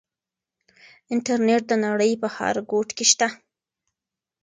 انټرنيټ د نړۍ په هر ګوټ کې شته.